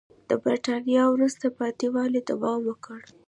د برېټانیا وروسته پاتې والي دوام وکړ.